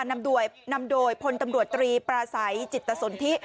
นำโดยนำโดยพลตำรวจตรีปราศัยจิตสนทิ